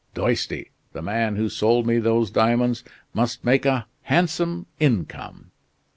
Doisty, the man who sold me those diamonds, must make a handsome income.